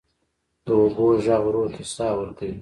د اوبو ږغ روح ته ساه ورکوي.